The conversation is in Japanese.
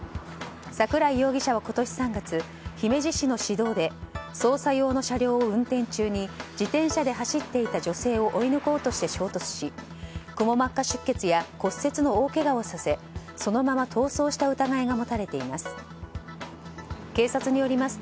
桜井容疑者は今年３月姫路市の市道で捜査用の車両を運転中に自転車で走っていた女性を追い抜こうとして衝突しくも膜下出血や骨折の大けがをさせそのまま逃走した疑いが持たれています。